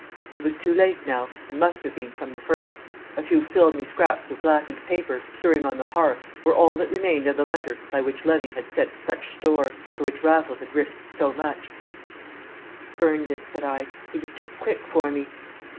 It was too late now and must have been from the first; a few filmy scraps of blackened paper, stirring on the hearth, were all that remained of the letter by which Levy had set such store, for which Raffles had risked so much. "He's burnt it," said I. "He was too quick for me."